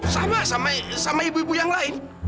sama sama ibu ibu yang lain